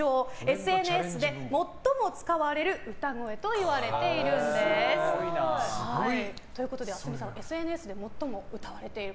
ＳＮＳで最も使われる歌声と言われているんです。ということで、ａｓｍｉさんＳＮＳでもっとも歌われている。